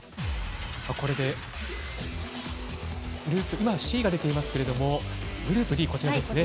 今グループＣが出ていますけれどもグループＤ、こちらですね。